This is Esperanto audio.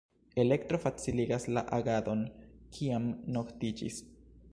Elektro faciligas la agadon, kiam noktiĝis.